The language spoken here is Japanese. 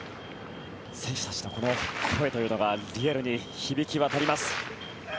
選手たちの声というのがリアルに響き渡ります。